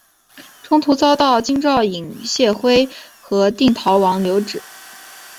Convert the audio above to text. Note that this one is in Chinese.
中途遇到京兆尹解恽和定陶王刘祉。